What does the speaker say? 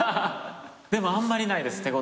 でもあんまりないです。